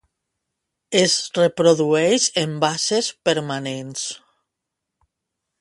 Es reprodueix en basses permanents.